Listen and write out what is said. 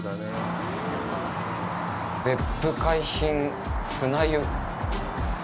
別府海浜砂湯。